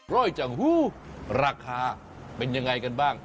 จังหูราคาเป็นยังไงกันบ้าง